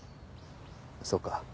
そうか。